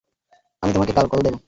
আমি তোমাকে কাল কল দেব।